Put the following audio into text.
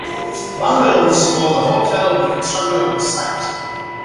Bungalows for the hotel were constructed on the site.